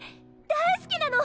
大好きなの！